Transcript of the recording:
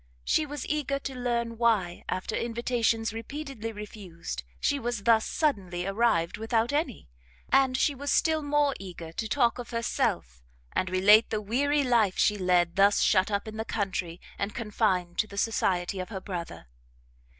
She was eager to learn why, after invitations repeatedly refused, she was thus suddenly arrived without any; and she was still more eager to talk of herself, and relate the weary life she led thus shut up in the country, and confined to the society of her brother.